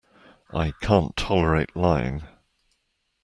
I can't tolerate lying.